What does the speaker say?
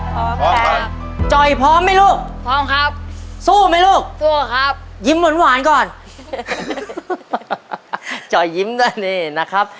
พร้อมค่ะจอยพร้อมไหมลูกสู้ไหมลูกยิ้มหวานก่อนจอยยิ้มด้วยนะครับ